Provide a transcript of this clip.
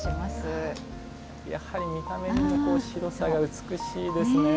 やはり、見た目の白さが美しいですね。